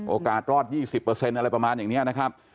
โอกาสรอด๒๐อะไรประมาณอย่างนี้นะครับ